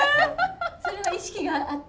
それは意識があって？